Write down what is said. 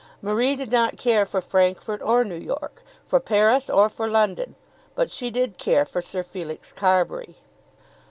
Marie did not care for Francfort or New York; for Paris or for London; but she did care for Sir Felix Carbury.